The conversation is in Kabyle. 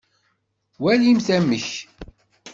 Walimt amek.